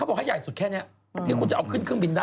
อะไรใหญ่สุดแค่นิ้ว